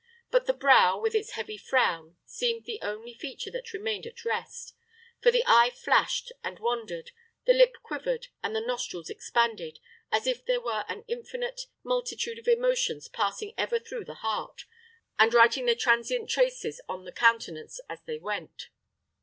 But the brow, with its heavy frown, seemed the only feature that remained at rest; for the eye flashed and wandered, the lip quivered, and the nostrils expanded, as if there were an infinite multitude of emotions passing ever through the heart, and writing their transient traces oil the countenance as they went.